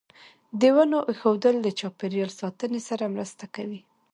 د ونو ایښودل د چاپیریال ساتنې سره مرسته کوي.